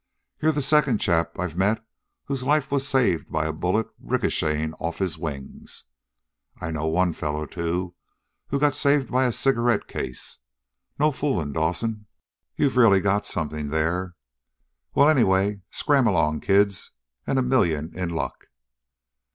You're the second chap I've met whose life was saved by a bullet ricocheting off his wings. I know one fellow, too, who got saved by his cigarette case. No fooling, Dawson, you've really got something there. Well, anyway, scram along, kids, and a million in luck!"